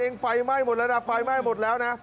ไฟไหม้หมดแล้วนะไฟไหม้หมดแล้วนะ